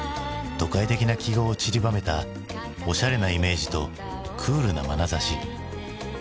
都会的な記号を散りばめたおしゃれなイメージとクールなまなざし。